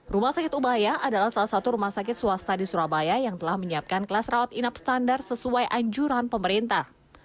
rumah sakit ubaya adalah salah satu rumah sakit swasta di surabaya yang telah menyiapkan kelas rawat inap standar sesuai anjuran pemerintah